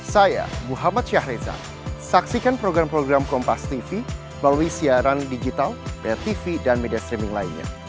saya muhammad syahriza saksikan program program kompas tv melalui siaran digital bayar tv dan media streaming lainnya